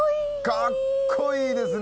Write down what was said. かっこいいですね！